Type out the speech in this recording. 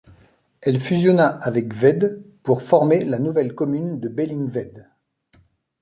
Elle fusionna avec Wedde pour former la nouvelle commune de Bellingwedde.